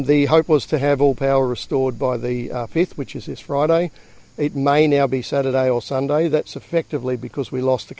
itu efektif karena kita telah kehilangan beberapa hari karena cuaca buruk